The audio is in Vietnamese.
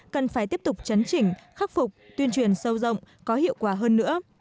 cần phải tiếp tục chấn chỉnh khắc phục tuyên truyền sâu rộng có hiệu quả hơn nữa